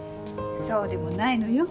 そうでもないのよ。